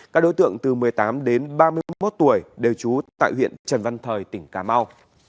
các đối tượng từ một mươi tám đến ba mươi một tuổi đều trú tại huyện trần văn thời tỉnh cà mau